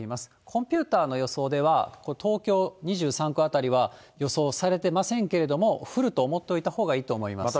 コンピューターの予想では、東京２３区辺りは予想されてませんけれども、降ると思っておいたほうがいいと思います。